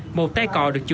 nhưng khi khám sức khỏe